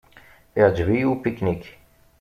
Iɛǧeb-iyi upiknik.